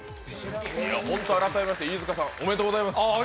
改めまして、飯塚さん、おめでとうございます。